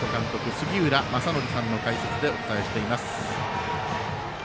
杉浦正則さんの解説でお伝えしています。